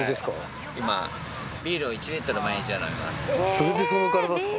それでその体っすか？